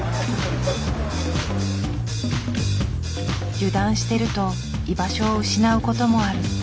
油断してると居場所を失う事もある。